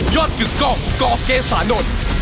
ยอดกึกกองกอล์ฟเกสสานนท